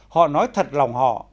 họ nói thật lòng họ